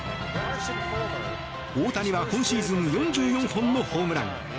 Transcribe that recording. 大谷は今シーズン４４本のホームラン。